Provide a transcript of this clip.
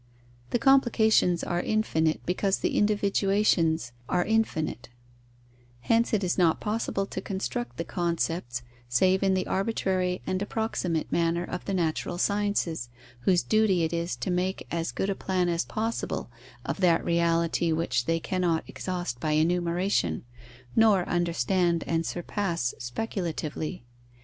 The complications are infinite, because the individuations are infinite; hence it is not possible to construct the concepts, save in the arbitrary and approximate manner of the natural sciences, whose duty it is to make as good a plan as possible of that reality which they cannot exhaust by enumeration, nor understand and surpass speculatively.